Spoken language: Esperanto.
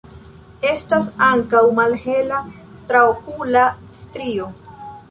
Estas ankaŭ malhela traokula strio.